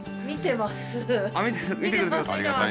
見てます。